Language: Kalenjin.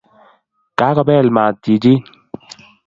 Kagobeel maat chichin